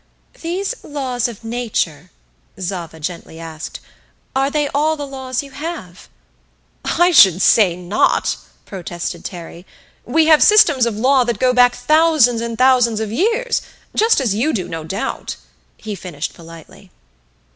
"These 'laws of nature,'" Zava gently asked, "are they all the laws you have?" "I should say not!" protested Terry. "We have systems of law that go back thousands and thousands of years just as you do, no doubt," he finished politely.